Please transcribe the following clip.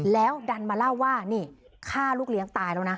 แล้วดันมาเล่าว่านี่ฆ่าลูกเลี้ยงตายแล้วนะ